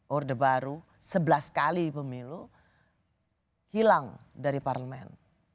orde baru sebelas kali pemilu hilang dari parlemen